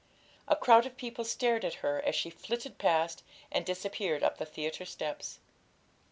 A crowd of people stared at her as she flitted past and disappeared up the theatre steps.